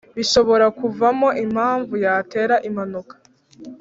bishobora kuvamo impamvu yatera impanuka